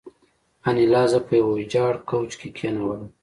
انیلا زه په یوه ویجاړ کوچ کې کېنولم